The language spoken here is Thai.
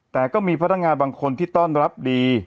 แต่ก็มีพนักงานบางคนที่ต้อนรับดี